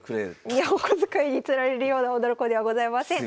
いやお小遣いに釣られるような女の子ではございません。